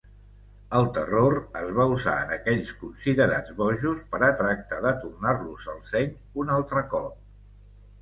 El terror es va usar en aquells considerats bojos per a tractar de tornar-los el seny un altre cop.